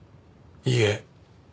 いいえ。